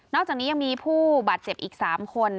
อกจากนี้ยังมีผู้บาดเจ็บอีก๓คน